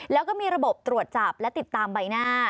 แล้วก็มีระบบตรวจจับและติดตามใบหน้า